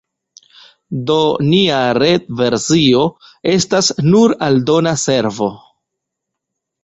Do nia retversio estas nur aldona servo.